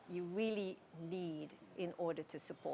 yang anda butuhkan